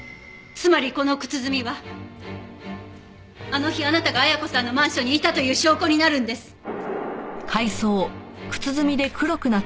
つまりこの靴墨はあの日あなたが綾子さんのマンションにいたという証拠になるんです。